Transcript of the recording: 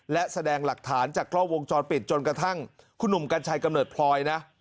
และแสดงหลักฐานจากกล้องวงจรปิดจนกระทั่งคุณหนุ่มกัญชัยกำเนิดพลอยนะ